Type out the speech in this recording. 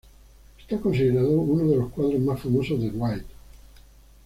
Está considerado uno de los cuadros más famosos de Wright.